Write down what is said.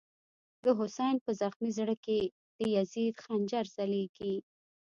دحسین” په زخمی زړه کی، دیزید خنجر ځلیږی”